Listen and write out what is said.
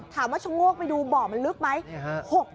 ถามว่าช่างโง่กไปดูบ่อมันลึกไหม